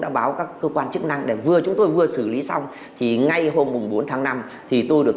đã báo các cơ quan chức năng để vừa chúng tôi vừa xử lý xong thì ngay hôm bốn tháng năm thì tôi được